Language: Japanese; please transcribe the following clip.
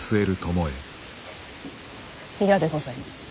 嫌でございます。